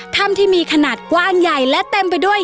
ถ้ำที่มีขนาดกว้างใหญ่และเต็มไปด้วย